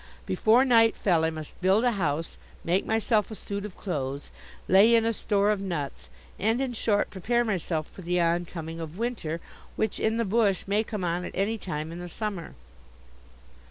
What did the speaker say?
Before night fell I must build a house, make myself a suit of clothes, lay in a store of nuts, and in short prepare myself for the oncoming of winter, which, in the bush, may come on at any time in the summer.